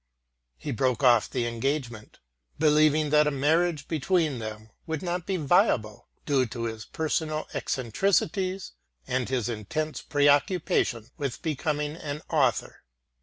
He broke off the engagement, believing that a marriage between them would not be viable, due to his personal eccentricities and his intense preoccupation with becoming an author.